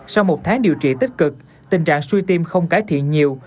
sau một tháng điều trị tích cực tình trạng suy tim không cải thiện nhiều